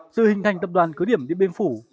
dự hình thành tập đoàn cứ điểm điện biên phủ